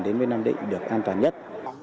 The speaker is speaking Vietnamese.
đến với nam định được an toàn nhất